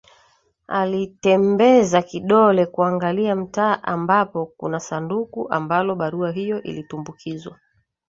Alitembeza kidole kuangalia mtaa ambapo kuna sanduku ambalo barua hiyo ilitumbukizwa